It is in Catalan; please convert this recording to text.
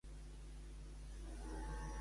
En aquesta, a què es dedicava el jueu?